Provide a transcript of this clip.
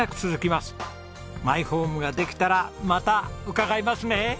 マイホームができたらまた伺いますね！